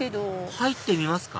入ってみますか？